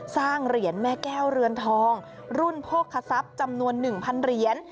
สร้างเหรียญแม่แก้วเรือนทองรุ่นโภคทรัพย์จำนวน๑๐๐เหรียญ